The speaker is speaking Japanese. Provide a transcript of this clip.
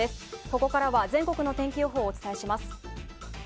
ここからは全国の天気予報をお伝えします。